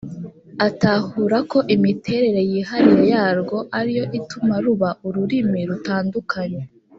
Atahura ko imiterere yihariye yarwo ari yo ituma ruba ururimi rutandukanye